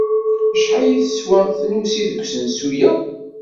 Acḥal teswa tnusi deg-usensu-ya?